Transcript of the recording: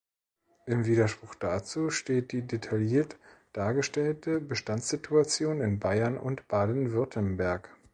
Im Widerspruch dazu steht die detailliert dargestellte Bestandssituation in Bayern und Baden-Württemberg.